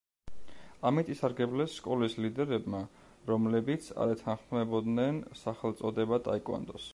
ამით ისარგებლეს სკოლის ლიდერებმა, რომლებიც არ ეთანხმებოდნენ სახელწოდება ტაიკვანდოს.